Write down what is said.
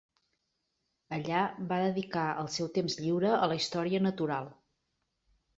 Allà va dedicar el seu temps lliure a la història natural.